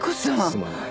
すまない。